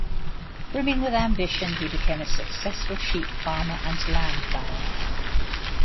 Brimming with ambition, he became a successful sheep farmer and land baron.